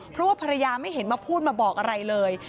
เพราะว่าภรรยาไม่เห็นมาพูดมาบอกอะไรเลย